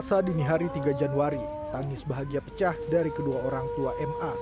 selasa dini hari tiga januari tangis bahagia pecah dari kedua orang tua ma